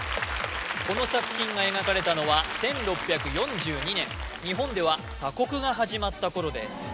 この作品が描かれたのは１６４２年日本では鎖国が始まった頃です